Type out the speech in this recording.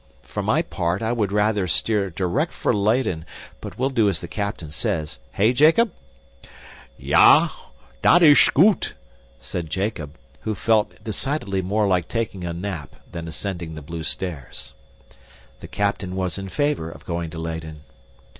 For my part, I would rather steer direct for Leyden, but we'll do as the captain says hey, Jacob?" "Ya, dat ish goot," said Jacob, who felt decidedly more like taking a nap than ascending the Blue Stairs. The captain was in favor of going to Leyden.